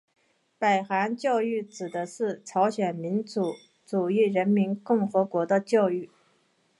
北韩教育指的是朝鲜民主主义人民共和国的教育。